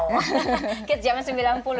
kids jaman sembilan puluh an dua ribu an ya